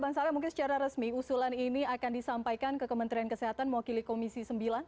bang saleh mungkin secara resmi usulan ini akan disampaikan ke kementerian kesehatan mewakili komisi sembilan